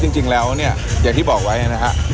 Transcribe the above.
จริงแล้วเนี่ยอย่างที่บอกไว้นะฮะ